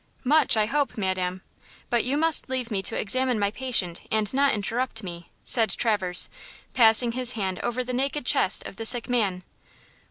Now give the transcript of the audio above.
"Much, I hope, madam, but you must leave me to examine my patient and not interrupt me," said Traverse, passing his hand over the naked chest of the sick man.